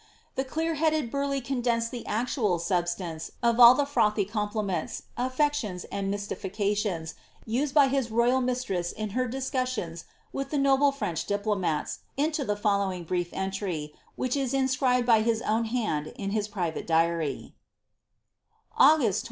Th« clear headed Burleigh condensed the actual substance of all (h« frothy compliments, affectations, and mysiilicaiions used by his royal rntstres* in her discussions with the noble French dipli>mati>, into the following brief entry, which is inscribed by his own hand in hia private diarv: —" August 'J'id.